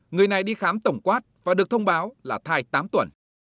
người này đi khám tổng quát và được thông báo là thai tám tuần